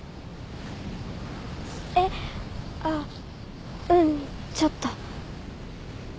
えっあっうんちょっと。